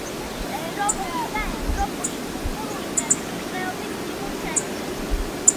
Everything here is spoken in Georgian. ეროვნული და ევროპული კულტურული მემკვიდრეობის ნიმუშები.